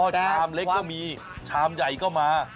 ชามเล็กก็มีชามใหญ่ก็มา